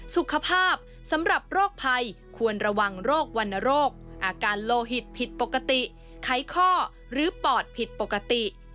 สุขภาพสำหรับโรคภัยควรระวังโรควรรณโรคอาการโลหิตผิดปกติไขข้อหรือปอดผิดปกติ